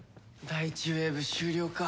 第１ウェーブ終了か。